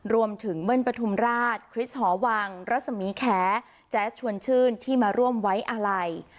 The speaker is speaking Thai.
รวมถึงเมื่อนปฐุมราชคริสหอวังรสมีแขแจ๊สชวนชื่นที่มาร่วมไว้อะไล